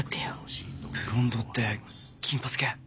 ブロンドって金髪け！